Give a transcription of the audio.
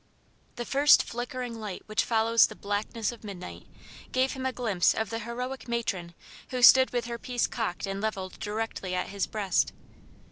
The first flickering light which follows the blackness of midnight, gave him a glimpse of the heroic matron who stood with her piece cocked and leveled directly at his breast.